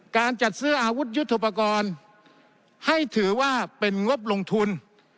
การจัดซื้ออาวุธยุทธโปรกรณ์ให้ถือว่าเป็นงบลงทุน